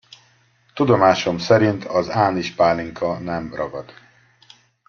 Tudomásom szerint az ánizspálinka nem ragad.